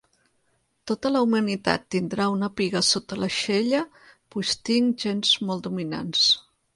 Tota la humanitat tindrà una piga sota l'aixella puix tinc gens molt dominants